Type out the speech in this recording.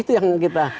itu yang kita